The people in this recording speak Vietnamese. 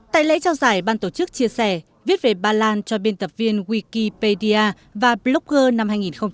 tại lễ trao giải ban tổ chức chia sẻ viết về ba lan cho biên tập viên wikipedia và blogger năm hai nghìn một mươi chín